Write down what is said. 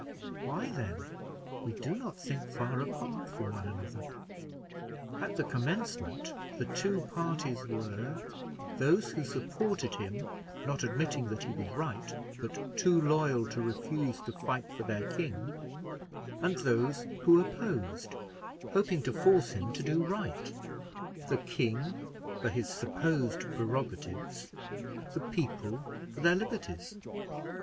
Why, then, we do not think far apart from one another. At the commencement, the two parties were those who supported him, not admitting that he was right, but too loyal to refuse to fight for their king; and those who opposed, hoping to force him to do right; the king for his supposed prerogatives, the people for their liberties.